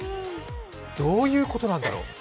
どういうことなんだろう？